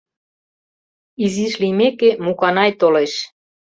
Изиш лиймеке, Муканай толеш.